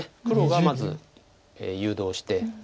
黒がまず誘導して。